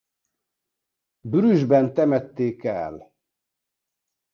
Bruggében temették el.